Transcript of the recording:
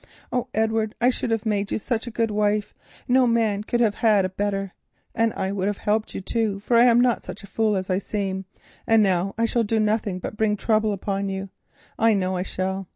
Oh, Edward, I should have made you such a good wife, no man could have had a better, and I would have helped you too, for I am not such a fool as I seem, and now I shall do nothing but bring trouble upon you; I know I shall.